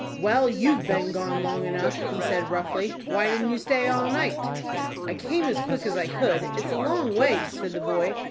"Well, you've been gone long enough," he said, roughly. "Why didn't you stay all night?" "I came as quick as I could. It's a long ways," said the boy.